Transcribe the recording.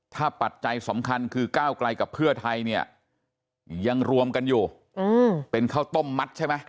ถ้าปัจจัยสำคัญคือก้าวไกลกับเพื่อไทยเนี่ยยังรวมกันอยู่เป็นข้าวต้มมัดใช่ไหม